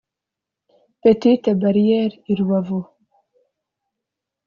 Petite Barriere i Rubavu